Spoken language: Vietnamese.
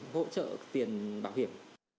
hỗ trợ tiền bảo hiểm